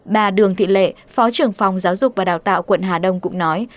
bà đường thị lệ phó trưởng phòng giáo dục và đào tạo quận hà đông cũng nói